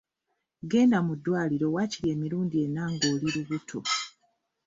Genda mu ddwaliro waakiri emirundi ena ng’oli lubuto.